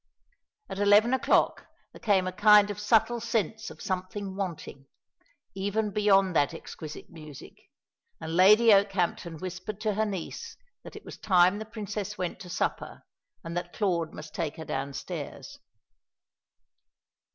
At eleven o'clock there came a kind of subtle sense of something wanting, even beyond that exquisite music; and Lady Okehampton whispered to her niece that it was time the Princess went to supper, and that Claude must take her downstairs.